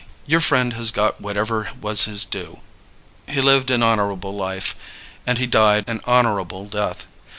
Your friend has got whatever was his due. He lived an honorable life and he died an honorable death.